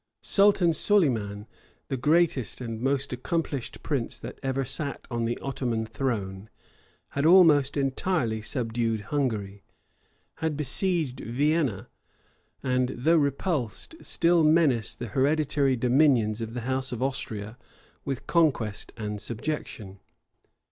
Sultan Solyman, the greatest and most accomplished prince that ever sat on the Ottoman throne, had almost entirely subdued Hungary, had besieged Vienna, and, though repulsed, still menaced the hereditary dominions of the house of Austria with conquest and subjection.